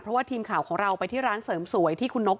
เพราะว่าทีมข่าวของเราไปที่ร้านเสริมสวยที่คุณนก